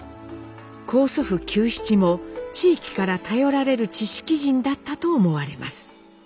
高祖父久七も地域から頼られる知識人だったと思われます。